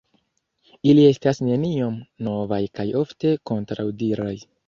Ili estas neniom novaj kaj ofte kontraŭdiraj.